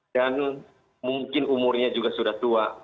dan mungkin umurnya juga sudah tua